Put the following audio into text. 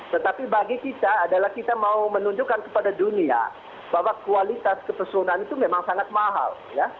tetapi bagi kita adalah kita mau menunjukkan kepada dunia bahwa kualitas kepesona itu memang sangat mahal